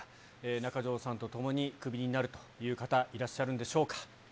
中条さんとともにクビになるという方、いらっしゃるんでしょうか。